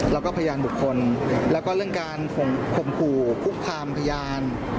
แล้วก็พยานบุคคลแล้วก็เรื่องการข่มขู่คุกคามพยาน